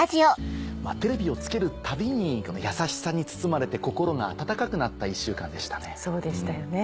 テレビをつけるたびに優しさに包まれて心が温かくなった１週間でしたね。